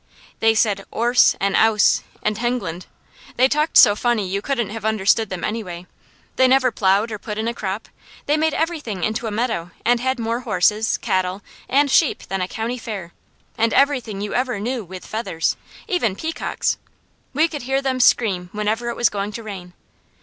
They said 'orse, and 'ouse, and Hengland. They talked so funny you couldn't have understood them anyway. They never plowed or put in a crop. They made everything into a meadow and had more horses, cattle, and sheep than a county fair, and everything you ever knew with feathers, even peacocks. We could hear them scream whenever it was going to rain.